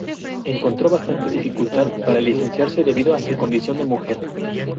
Encontró bastante dificultad para licenciarse debido a su condición de mujer.